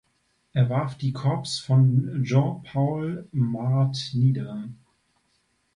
Er warf die Korps von Jean Paul Marat nieder.